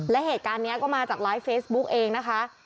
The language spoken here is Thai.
และเหตุการณ์นี้ก็มาจากไลฟ์เฟซบุ๊กเองนะคะ